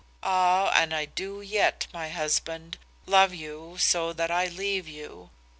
Ah, and I do yet, my husband, love you so that I leave you.